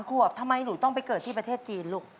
ขวบทำไมหนูต้องไปเกิดที่ประเทศจีนลูก